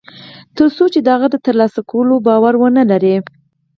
تر څو چې د هغه د تر لاسه کولو باور و نهلري